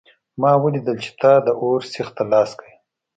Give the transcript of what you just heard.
ما ولیدل چې تا د اور سیخ ته لاس کړ